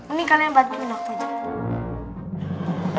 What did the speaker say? ini kalian bantu minum aja